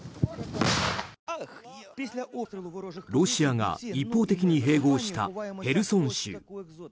ロシアが一方的に併合したヘルソン州。